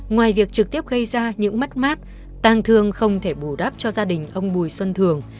ngoài việc trực tiếp gây ra những mất mát tang thương không thể bù đắp cho gia đình ông bùi xuân thường